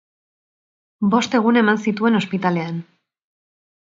Bost egun eman zituen ospitalean.